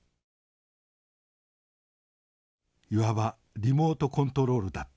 いわばリモートコントロールだった。